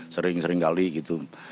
sering sering kali gitu